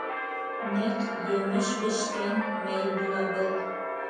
Нәҡ емеш бешкән мәл була был.